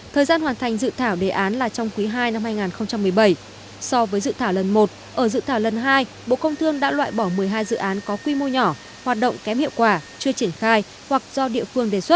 thời gian hoàn thành dự thảo đề án là trong quý ii năm hai nghìn một mươi bảy so với dự thảo lần một ở dự thảo lần hai bộ công thương đã loại bỏ một mươi hai dự án có quy mô nhỏ hoạt động kém hiệu quả chưa triển khai hoặc do địa phương đề xuất